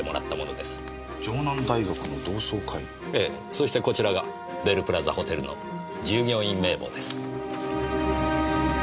そしてこちらがベルプラザホテルの従業員名簿です。